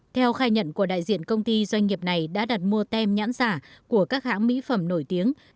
theo khai nhận của đại diện công ty doanh nghiệp này đã đặt mua tem nhãn giả của các hãng mỹ phẩm nổi tiếng